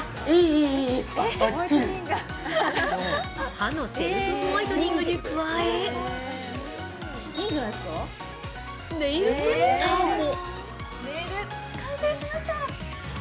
歯のセルフホワイトニングに加えネイルプリンターも。